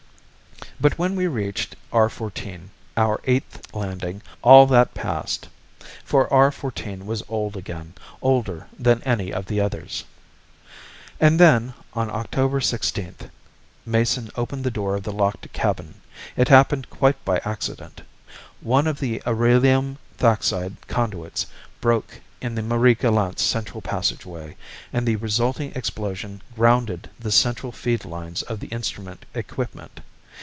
But when we reached R 14, our eighth landing, all that passed. For R 14 was old again, older than any of the others. And then, on October sixteenth, Mason opened the door of the locked cabin. It happened quite by accident. One of the arelium thaxide conduits broke in the Marie Galante's central passageway, and the resulting explosion grounded the central feed line of the instrument equipment.